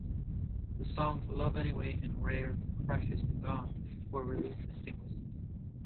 The songs "Love Anyway" and "Rare, Precious and Gone" were released as singles.